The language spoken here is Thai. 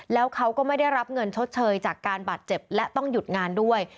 แล้วเขาก็ไม่ได้รับเงินชดเชยจากการบาดเจ็บและต้องหยุดงานด้วย